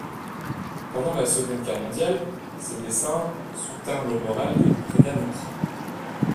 Pendant la Seconde Guerre mondiale, ses dessins soutinrent le moral des britanniques.